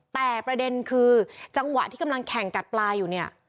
แต่ประเด็นคือจังหวะที่กำลังแข่งกัดปลาอยู่เนี่ย